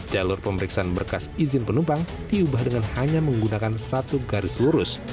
jalur pemeriksaan berkas izin penumpang diubah dengan hanya menggunakan satu garis lurus